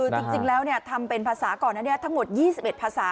จริงแล้วทำเป็นภาษาก่อนอันนี้ทั้งหมด๒๑ภาษา